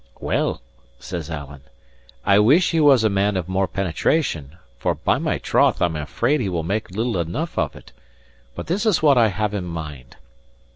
"Well," says Alan, "I wish he was a man of more penetration, for by my troth I am afraid he will make little enough of it! But this is what I have in my mind.